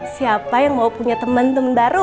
siapa yang mau punya teman teman baru